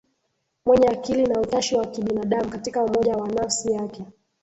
mwenye akili na utashi wa kibinadamu Katika umoja wa nafsi yake